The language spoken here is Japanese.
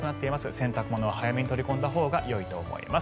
洗濯物は早めに取り込んだほうがいいと思います。